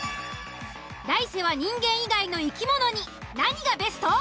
来世は人間以外の生き物に何がベスト？